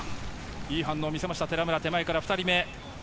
いい反応を見せました、寺村、手前から２人目。